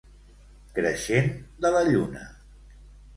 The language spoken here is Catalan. Creixent de la lluna.